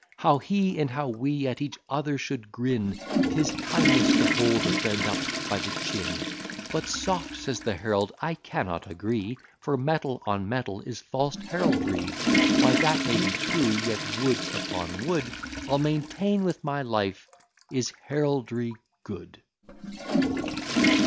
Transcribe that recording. How he, and how we at each other should grin! 'Tis kindness to hold a friend up by the chin. But soft! says the herald, I cannot agree; For metal on metal is false heraldry. Why that may be true; yet Wood upon Wood, I'll maintain with my life, is heraldry good.